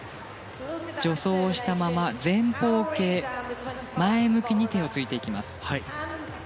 助走をしたまま、前方系前向きに手をついていきます。